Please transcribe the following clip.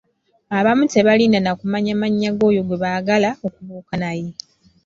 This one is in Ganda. Abamu tebalinda na kumanya mannya g’oyo gwe baagala okubuuka naye.